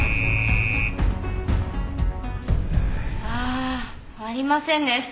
ああありませんね